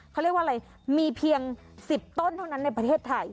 เขาเรียกว่าอะไรมีเพียง๑๐ต้นเท่านั้นในประเทศไทย